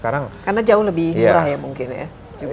karena jauh lebih murah ya mungkin ya